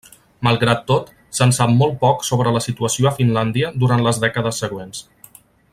Malgrat tot, se'n sap molt poc sobre la situació a Finlàndia durant les dècades següents.